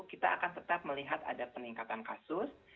kita akan tetap melihat ada peningkatan kasus